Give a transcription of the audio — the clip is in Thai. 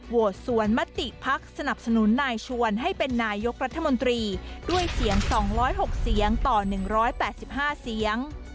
สวนมติภักดิ์สนับสนุนนายชวนให้เป็นนายกรัฐมนตรีด้วยเสียง๒๐๖เสียงต่อ๑๘๕เสียง